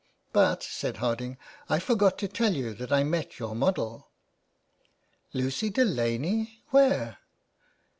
But," said Harding, *' I forgot to tell you that I met your model." '* Lucy Delaney ? Where